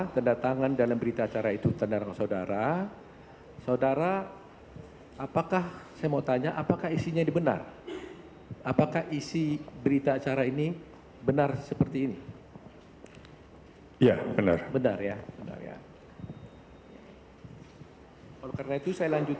tidak tahu persis ya